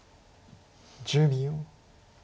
１０秒。